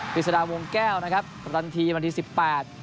พรีศดาวงแก้วนะครับประตันทีนาทีสิบแปด